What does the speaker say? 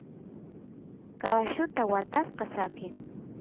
caballuta watasqa saqen